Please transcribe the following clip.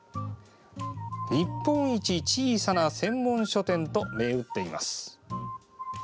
日本一小さな専門書店と銘打っています。